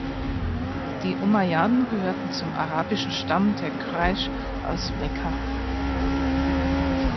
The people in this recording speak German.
Die Umayyaden gehörten zum arabischen Stamm der Quraisch aus Mekka.